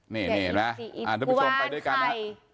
นี่น่ะอ่านทุกผู้ชมไปด้วยกันนะ